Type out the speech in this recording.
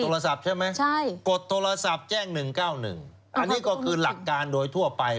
ใช่ไหมกดโทรศัพท์แจ้ง๑๙๑อันนี้ก็คือหลักการโดยทั่วไป